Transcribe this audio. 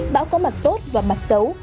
bão có mặt tốt và mặt xấu